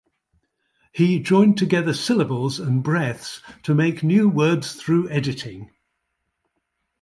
He joined together syllables and breaths to make new words through editing.